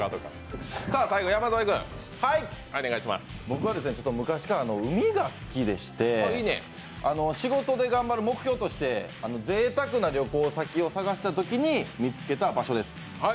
僕は昔から海が好きでして仕事で頑張る目標としてぜいたくな旅行先を探したときに見つけた場所です。